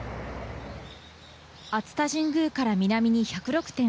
熱田神宮から南に１０６．８ｋｍ。